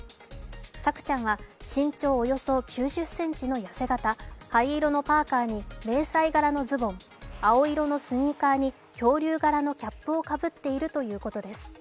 朔ちゃんは身長およそ９０ｃｍの痩せ形灰色のパーカに迷彩柄のズボン青色のスニーカーに恐竜柄のキャップをかぶっているということです。